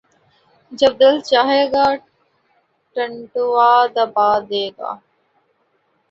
جب دل چاھے گا ، ٹنٹوا دبا دے گا